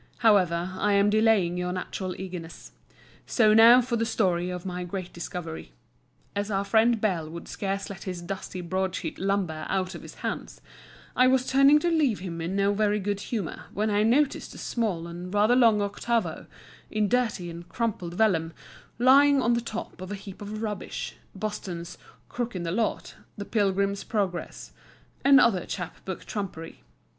However, I am delaying your natural eagerness. So now for the story of my great discovery. As our friend Bell would scarce let his dusty broadsheet lumber out of his hands, I was turning to leave him in no very good humour, when I noticed a small and rather long octavo, in dirty and crumpled vellum, lying on the top of a heap of rubbish, Boston's "Crook in the Lot," "The Pilgrim's Progress," and other chap book trumpery.